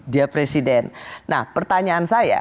dia presiden nah pertanyaan saya